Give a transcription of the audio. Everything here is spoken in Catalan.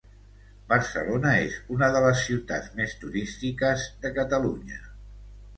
Barcelona és una de les ciutats més turístiques de Catalunya.